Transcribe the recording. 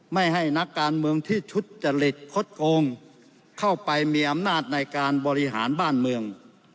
ไม่ให้นักการเมืองที่ทุจจริตคดโกงเข้าไปมีอำนาจในการบริหารบ้านเมือง